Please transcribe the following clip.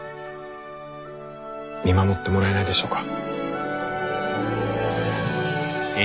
見守ってもらえないでしょうか？